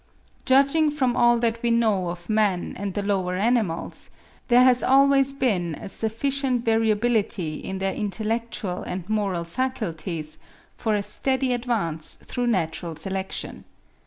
Judging from all that we know of man and the lower animals, there has always been sufficient variability in their intellectual and moral faculties, for a steady advance through natural selection.